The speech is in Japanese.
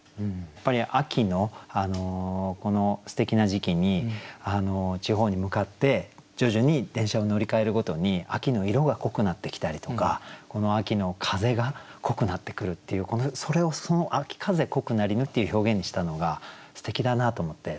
やっぱり秋のすてきな時期に地方に向かって徐々に電車を乗り換えるごとに秋の色が濃くなってきたりとか秋の風が濃くなってくるっていうそれを「秋風濃くなりぬ」っていう表現にしたのがすてきだなと思って。